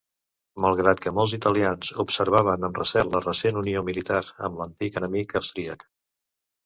Malgrat que molts italians observaven amb recel la recent unió militar amb l'antic enemic austríac.